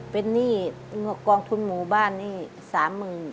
เป็นหนี้งบกองทุนหมู่บ้านหนี้๓หมื่น